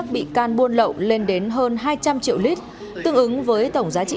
bị can buôn lậu lên đến hơn hai trăm linh triệu lít tương ứng với tổng giá trị